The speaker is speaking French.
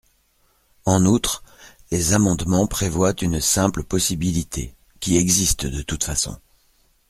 En outre, les amendements prévoient une simple possibilité – qui existe de toute façon.